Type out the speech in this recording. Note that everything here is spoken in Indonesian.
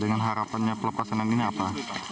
dengan harapannya pelepasan ini apa